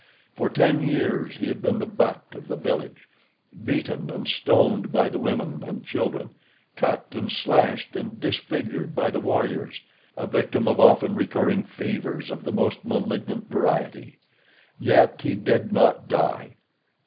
For ten years he had been the butt of the village, beaten and stoned by the women and children, cut and slashed and disfigured by the warriors; a victim of often recurring fevers of the most malignant variety. Yet he did not die.